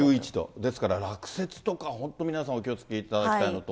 ですから落雪とか、本当に皆さん、お気をつけいただきたいなと。